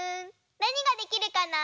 なにができるかな？